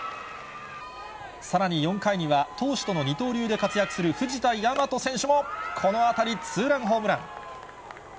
さらに４回には、投手との二刀流で活躍する藤田倭選手もこの当たり、ツーランホームラン。